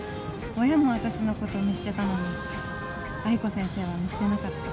親も私のこと見捨てたのに藍子先生は見捨てなかった